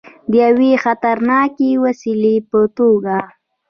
د یوې خطرناکې وسلې په توګه.